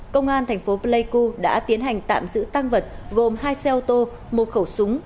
công an tp pleiku đã tiến hành tạm giữ tăng vật gồm hai xe ô tô một khẩu súng